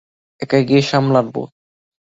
একাই গিয়ে সামলাবো।